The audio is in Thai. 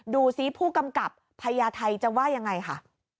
ดูสิผู้กำกับพญาไทยจะว่ายังไงค่ะ